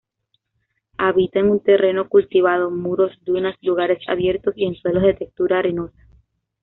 Habita en terreno cultivado, muros, dunas, lugares abiertos y en suelos de textura arenosa.